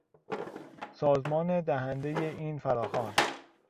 سازمان دهندهی این فراخوان